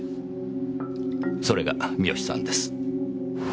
それが三好さんです。